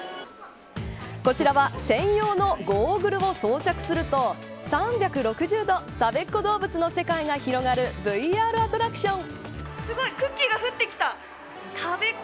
こちらは専用のゴーグルを装着すると３６０度たべっ子どうぶつの世界が広がるＶＲアトラクション。